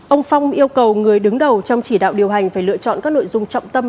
ông phong yêu cầu người đứng đầu trong chỉ đạo điều hành phải lựa chọn các nội dung trọng tâm